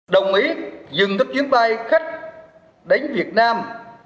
đồng ý dừng các chuyến bay khách đến việt nam